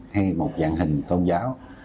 hay một dạng hình tôn giáo